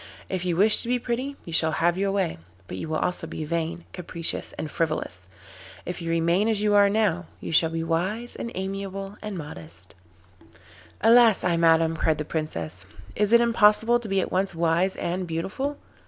If you wish to be pretty you shall have your way, but you will also be vain, capricious, and frivolous. If you remain as you are now, you shall be wise and amiable and modest.' 'Alas I madam,' cried the Princess, 'is it impossible to be at once wise and beautiful?